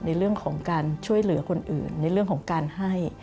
ในเรื่องของการช่วยเหลือคนอื่นในเรื่องของการให้